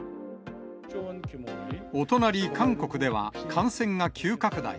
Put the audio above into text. お隣、韓国では感染が急拡大。